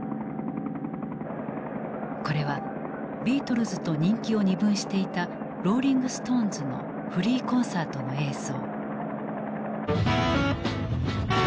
これはビートルズと人気を二分していたローリング・ストーンズのフリー・コンサートの映像。